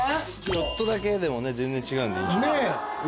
ちょっとだけでもね全然違うんで。